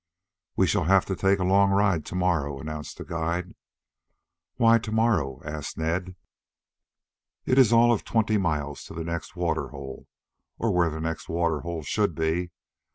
"We shall have to take a long ride to morrow," announced the guide. "Why to morrow?" asked Ned. "It is all of twenty miles to the next water hole, or where the next water hole should be.